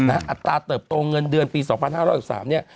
อัตราเติบโตเงินเดือนปี๒๕๐๓